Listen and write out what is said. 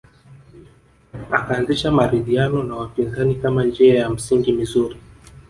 Akaanzisha maridhiano na wapinzani kama njia ya msingi mizuri